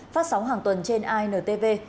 phát sóng hàng tuần trên intv